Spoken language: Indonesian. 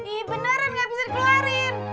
ini beneran gak bisa dikeluarin